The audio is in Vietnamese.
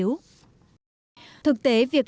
thực tế việc giải cứu của em là một lực lượng